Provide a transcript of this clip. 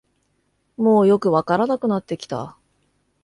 もうよくわからなくなってきた